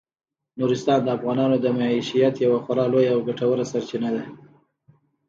نورستان د افغانانو د معیشت یوه خورا لویه او ګټوره سرچینه ده.